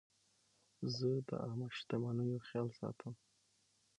زه د عامه شتمنیو خیال ساتم.